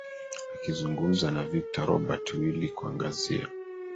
akizungumza na victor robert willi kuangazia